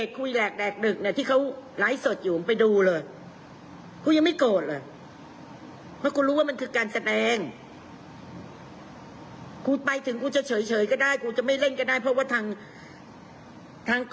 แต่ว่าแม่ให้ความร่วมมืออยากให้รายการมันสนุก